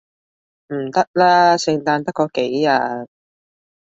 唔得啦，聖誕得嗰幾日